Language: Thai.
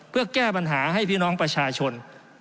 เพื่อแก้ปัญหาให้พี่น้องประชาชน